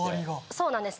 そうなんです。